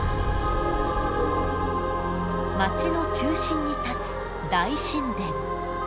街の中心に立つ大神殿。